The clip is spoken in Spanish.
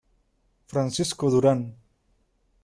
Francisco Durán.